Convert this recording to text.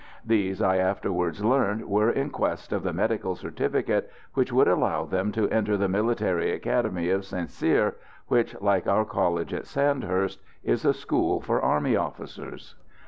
These, I afterwards learnt, were in quest of the medical certificate which would allow them to enter the Military Academy of St Cyr, which, like our college at Sandhurst, is a school for army officers.